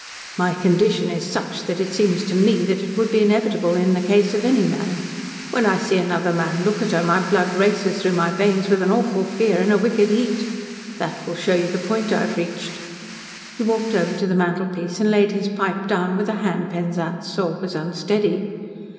"My condition is such that it seems to ME that it would be inevitable in the case of any man. When I see another man look at her my blood races through my veins with an awful fear and a wicked heat. That will show you the point I have reached." He walked over to the mantelpiece and laid his pipe down with a hand Penzance saw was unsteady.